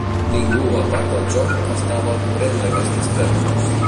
Ningú a part del John estava al corrent d'aquestes pèrdues.